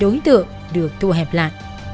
diện đối tượng được thu hẹp lại